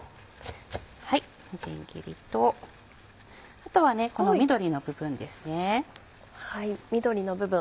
みじん切りとあとはねこの緑の部分ですね。